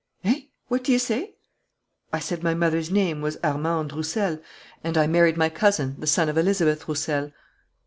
"Eh? What do you say?" "I said my mother's maiden name was Armande Roussel, and I married my cousin, the son of Elizabeth Roussel."